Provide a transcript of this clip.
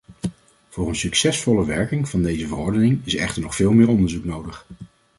Voor een succesvolle werking van deze verordening is echter nog veel meer onderzoek nodig.